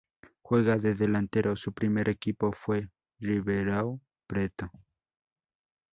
Juega de delantero, su primer equipo fue Ribeirão Preto.